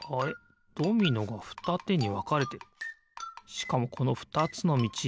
しかもこのふたつのみち